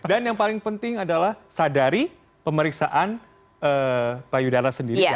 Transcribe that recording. dan yang paling penting adalah sadari pemeriksaan payudara sendiri